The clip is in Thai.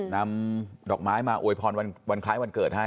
นำดอกไม้มาอวยพรวันคล้ายวันเกิดให้